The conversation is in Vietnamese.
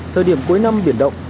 thời điểm cuối năm biển động